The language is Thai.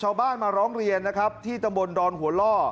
ชาวบ้านมาร้องเรียนนะครับที่ตำบลดอนหัวล่อ